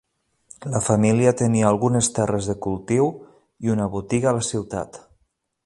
La família tenia algunes terres de cultiu i una botiga a la ciutat.